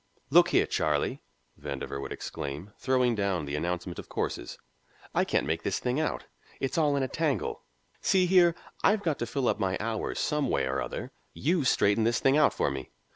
"Look here, Charlie," Vandover would exclaim, throwing down the Announcement of Courses, "I can't make this thing out. It's all in a tangle. See here, I've got to fill up my hours some way or other; you straighten this thing out for me.